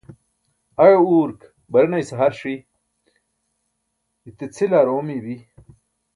aẏa urk barena ise har ṣi, ite cʰil aar oomiy bi